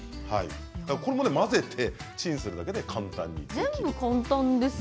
これも混ぜて、チンするだけで簡単に作れます。